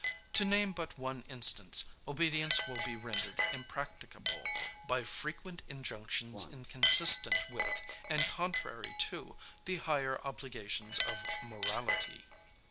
To name but one instance, obedience will be rendered impracticable, by frequent injunctions inconsistent with, and contrary to, the higher obligations of morality.